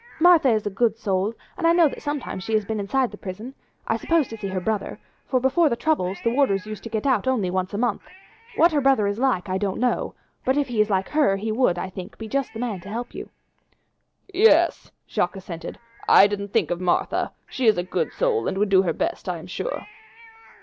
Martha is a good soul, and I know that sometimes she has been inside the prison, I suppose to see her brother, for before the troubles the warders used to get out only once a month. What her brother is like I don't know, but if he is like her he would, I think, be just the man to help you." "Yes," Jacques assented, "I didn't think of Martha. She is a good soul and would do her best, I am sure."